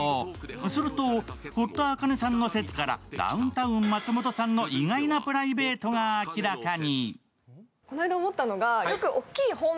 すると、堀田茜さんの説からダウンタウン松本さんの意外なプライベートが明らかに。